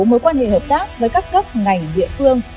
mối quan hệ hợp tác với các cấp ngành địa phương